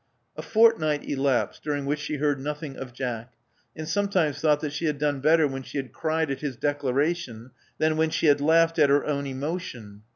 A fortnight elapsed, during which she heard nothing of Jack, and sometimes thought that she had done better when she had cried at his declaration, than when she had laughed at her own emotion.